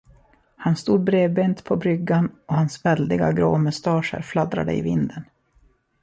Han stod bredbent på bryggan och hans väldiga grå mustascher fladdrade i vinden.